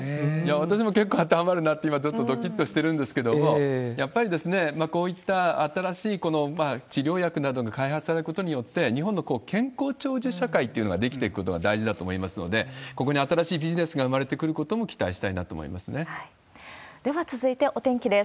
私も結構当てはまるなって、今、ちょっとどきっとしてるんですけれども、やっぱり、こういった新しい治療薬などが開発されることによって、日本の健康長寿社会っていうのが出来ていくことが大事だと思いますので、ここに新しいビジネスが生まれてくることも期待したいなと思いまでは続いて、お天気です。